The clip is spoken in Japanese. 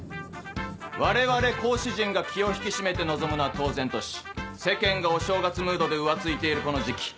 我々講師陣が気を引き締めて臨むのは当然とし世間がお正月ムードで浮ついているこの時期。